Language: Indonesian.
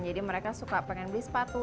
jadi mereka suka pengen beli sepatu